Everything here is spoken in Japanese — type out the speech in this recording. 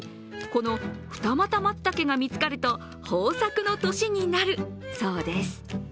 この二股松茸が見つかると豊作の年になるそうです。